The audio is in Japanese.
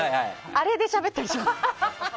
あれでしゃべったりします。